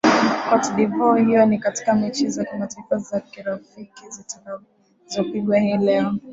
cote devoire hiyo ni katika mechi za kimataifa za kirafiki zitakazopigwa hii leo